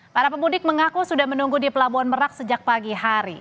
para pemudik mengaku sudah menunggu di pelabuhan merak sejak pagi hari